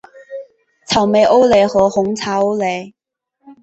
草莓欧蕾和红茶欧蕾